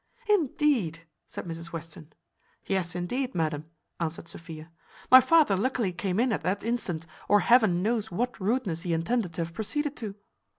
"Indeed!" said Mrs Western. "Yes, indeed, madam," answered Sophia; "my father luckily came in at that instant, or Heaven knows what rudeness he intended to have proceeded to."